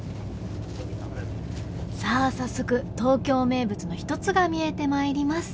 さあ早速東京名物の一つが見えてまいります。